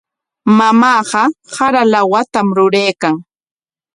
Mamaaqa sara lawatam ruraykan.